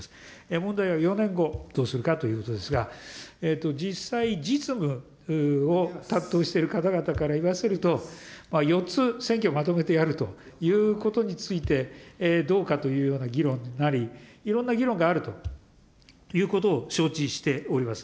問題は４年後、どうするかということですが、実際、実務を担当している方々から言わせると、４つ、選挙をまとめてやるということについて、どうかというような議論になり、いろんな議論があるということを承知しております。